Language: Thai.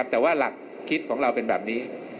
แต่ว่าหลักคิดของเราเป็นแบบนี้